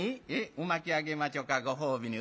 鰻巻きあげまちょかご褒美に。